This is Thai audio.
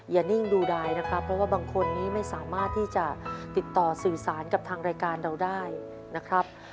นิ่งดูดายนะครับเพราะว่าบางคนนี้ไม่สามารถที่จะติดต่อสื่อสารกับทางรายการเราได้นะครับ